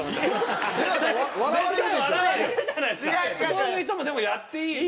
そういう人もでもやっていい。